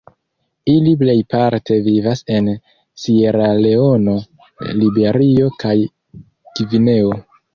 Ili plejparte vivas en Sieraleono, Liberio kaj Gvineo.